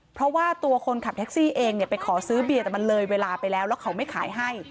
เพราะว่าตัวคนขับแท็กซี่เองเนี่ยไปขอซื้อเบียร์แต่มันเลยเวลาไปแล้วแล้วเขาไม่ขายให้